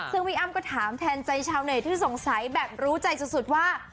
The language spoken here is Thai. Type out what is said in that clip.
ซึ่งพี่อ้ำก็ถามแทนใจชาวเน็ตที่สงสัยแบบรู้ใจสุดว่า